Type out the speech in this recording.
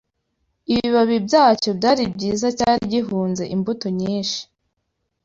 Ibibabi byacyo byari byiza cyari gihunze imbuto nyinshi